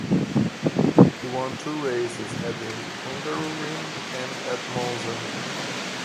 He won two races, at the Hungaroring and at Monza.